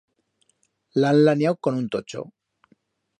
L'han laniau con un tocho.